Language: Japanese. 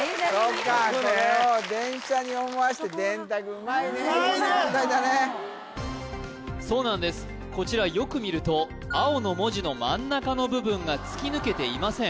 そっかこれを電車に思わせて電卓うまいねいい問題だねうまいねそうなんですこちらよく見ると青の文字の真ん中の部分が突き抜けていません